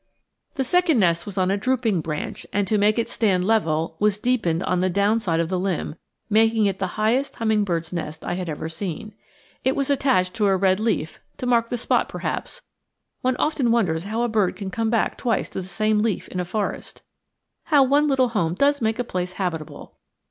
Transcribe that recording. The second nest was on a drooping branch, and, to make it stand level, was deepened on the down side of the limb, making it the highest hummingbird's nest I had ever seen. It was attached to a red leaf to mark the spot, perhaps one often wonders how a bird can come back twice to the same leaf in a forest. How one little home does make a place habitable!